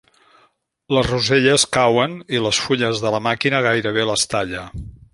Les roselles cauen i les fulles de la màquina gairebé les talla.